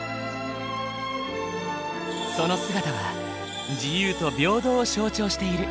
その姿は自由と平等を象徴している。